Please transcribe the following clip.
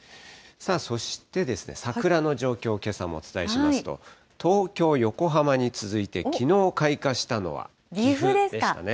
そして桜の状況、けさもお伝えしますと、東京、横浜に続いてきのう開花したのは、岐阜でしたね。